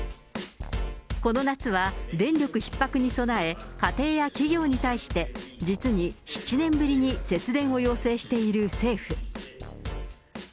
この夏は電力ひっ迫に備え、家庭や企業に対して実に７年ぶりに節電を要請している政府。